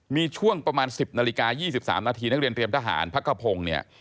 มีช่วงประมาณ๑๐นาฬิกา๒๓นาทีนักเรียนเตรียมทหารพักกระพงศ์เนี่ย